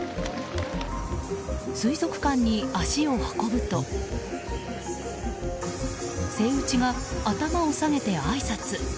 水族館に足を運ぶとセイウチが頭を下げてあいさつ。